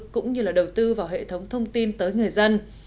cũng như là đầu tư vào hệ thống thông tin tới người dân